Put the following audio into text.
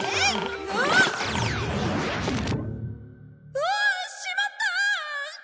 うわあ！しまった！